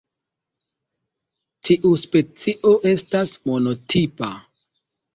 Tiu specio estas monotipa.